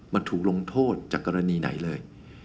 มันถูกลงโทษจากกรณีไหนเลย